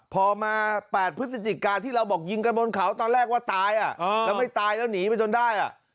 พอมา๘พฤศจิกาที่เราบอกยิงกันบนเขาตอนแรกว่าตายแล้วไม่ตายแล้วหนีไปจนได้